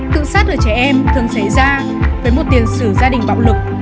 tự sát ở trẻ em thường xảy ra với một tiền sử gia đình bạo lực